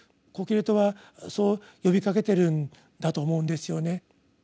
コヘレトはそう呼びかけてるんだと思うんですよね。